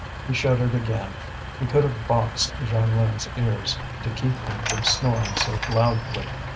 He shuddered again; he could have boxed Jeanlin's ears, to keep him from snoring so loudly.